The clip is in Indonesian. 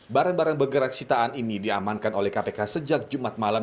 barang barang bergerak sitaan ini diamankan oleh kpk sejak jumat malam